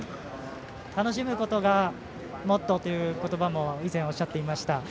楽しむことがモットーということばも以前おっしゃっていました。